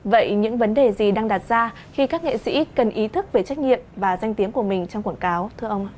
vậy những vấn đề gì đang đặt ra khi các nghệ sĩ cần ý thức về trách nhiệm và danh tiếng của mình trong quảng cáo thưa ông ạ